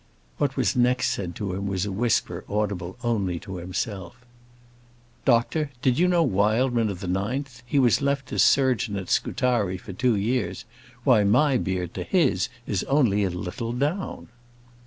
What was next said to him was in a whisper, audible only to himself. "Doctor, did you know Wildman of the 9th? He was left as surgeon at Scutari for two years. Why, my beard to his is only a little down."